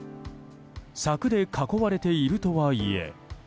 柵で囲われているとはいえ。